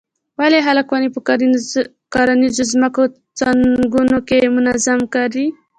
ولې خلک ونې په کرنیزو ځمکو څنګونو کې منظم کري.